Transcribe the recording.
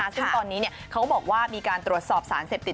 ซึ่งตอนนี้เขาบอกว่ามีการตรวจสอบสารเสพติด